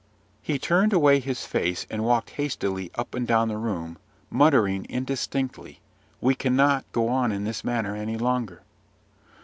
He turned away his face walked hastily up and down the room, muttering indistinctly, "We cannot go on in this manner any longer!"